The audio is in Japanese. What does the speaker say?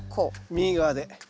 右側で。